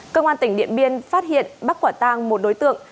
công an tỉnh điện biên phát hiện bắt quả tang một đối tượng